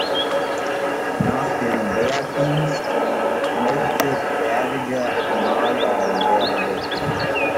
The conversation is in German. Nach dem Wehrdienst möchte Berger Maler werden.